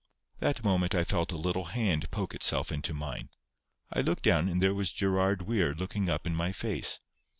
That moment I felt a little hand poke itself into mine. I looked down, and there was Gerard Weir looking up in my face.